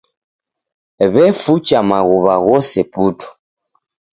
W'efucha maghuwa ghose putu.